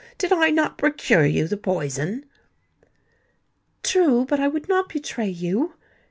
Did I not procure you the poison?" "True. But I would not betray you."